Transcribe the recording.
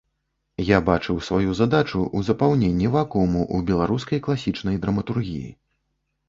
Я бачыў сваю задачу ў запаўненні вакууму ў беларускай класічнай драматургіі.